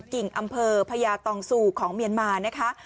กิ่งอำเภอพญาตองสู่ของเมียนมานะคะ